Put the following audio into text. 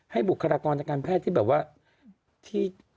ให้บุคลากรรมรักษาการแพทย์ที่แบบว่าที่